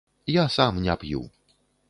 Я сам не п'ю.